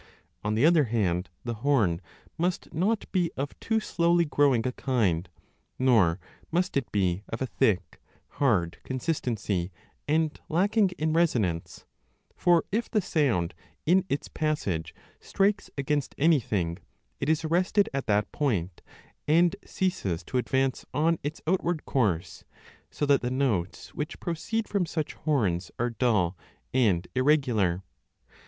On the other hand, the horn must not be of too slowly growing a kind, nor must it be of a thick, hard consistency and lacking in resonance ; l for, if the sound in its passage strikes against anything, it is arrested at that point and ceases to advance on its outward course, so that the notes which proceed from such horns 3 o are dull and irregular.